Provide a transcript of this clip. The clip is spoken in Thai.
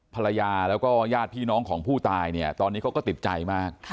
ภรรยาแล้วก็ญาติพี่น้องของผู้ตายเนี่ยตอนนี้เขาก็ติดใจมาก